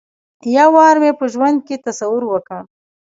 یو وار مې په ژوند کې تصور وکړ.